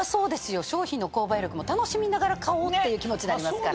商品の購買力も楽しみながら買おうっていう気持ちになりますから。